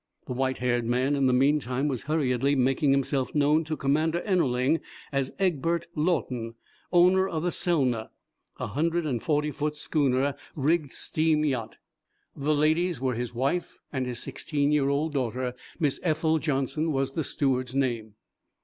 The white haired man, in the meantime, was hurriedly making himself known to Commander Ennerling as Egbert Lawton, owner of the "Selna," a hundred and forty foot schooner rigged steam yacht. The ladies were his wife and his sixteen year old daughter, Miss Ethel Johnson was the steward's name.